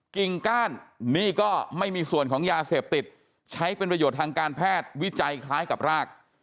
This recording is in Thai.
กิ่งก้านนี่ก็ไม่มีส่วนของยาเสพติดใช้เป็นประโยชน์ทางการแพทย์วิจัยคล้ายกับราก